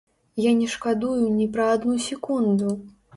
Я не шкадую ні пра адну секунду.